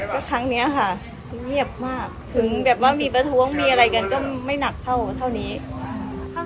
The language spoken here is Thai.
ก็ครั้งนี้ค่ะเงียบมากถึงแบบว่ามีประท้วงมีอะไรกันก็ไม่หนักเท่าเท่านี้